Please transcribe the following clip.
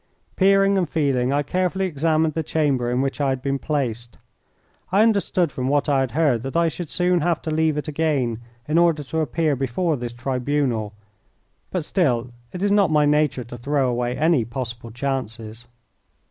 Peering and feeling, I carefully examined the chamber in which I had been placed. I understood from what I had heard that I should soon have to leave it again in order to appear before this tribunal, but still it is not my nature to throw away any possible chances.